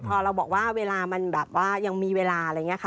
พอเราบอกว่าเวลามันแบบว่ายังมีเวลาอะไรอย่างนี้ค่ะ